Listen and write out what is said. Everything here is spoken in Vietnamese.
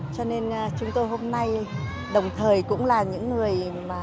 cho nên chúng tôi hôm nay đồng thời cũng là những người mà